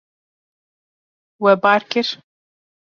We bar kir.